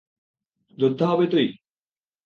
যোদ্ধা হবি তুই?